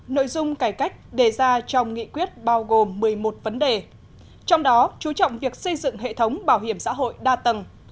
nội dung cải cách đề ra trong nghị quyết bao gồm một mươi một vấn đề trong đó chú trọng việc xây dựng hệ thống bảo hiểm xã hội đa tầng